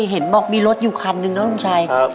หาใครมาเปรียบ